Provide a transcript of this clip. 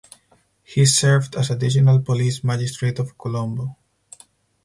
He served as additional police magistrate of Colombo.